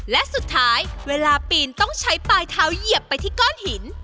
และสุดท้ายเวลาปีนต้องใช้ปลายเท้าเหยียบไปที่ก้อนหิน